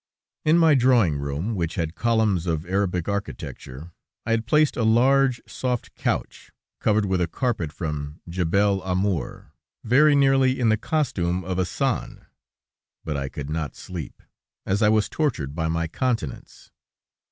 In my drawing room, which had columns of Arabic architecture, I had placed a large, soft couch, covered with a carpet from Djebel Amour, very nearly in the costume of Assan, but I could not sleep, as I was tortured by my continence.